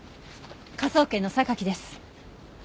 科捜研の榊です。